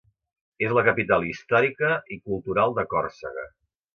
És la capital històrica i cultural de Còrsega.